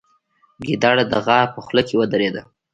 ګیدړه د غار په خوله کې ودرېده.